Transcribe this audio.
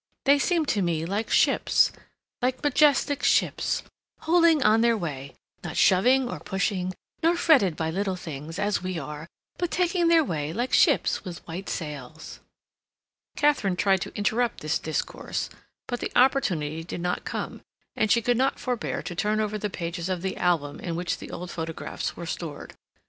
They seem to me like ships, like majestic ships, holding on their way, not shoving or pushing, not fretted by little things, as we are, but taking their way, like ships with white sails." Katharine tried to interrupt this discourse, but the opportunity did not come, and she could not forbear to turn over the pages of the album in which the old photographs were stored.